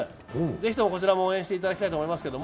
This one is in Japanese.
ぜひともこちらも応援していただければと思います。